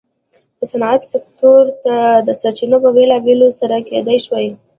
د صنعت سکتور ته د سرچینو په بېلولو سره کېدای شوای.